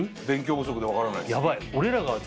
勉強不足で分からないっす